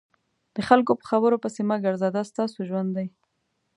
د خلکو په خبرو پسې مه ګرځه دا ستاسو ژوند دی.